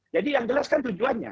jadi yang jelas kan tujuannya